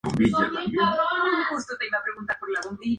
Es sede del condado de Sunflower.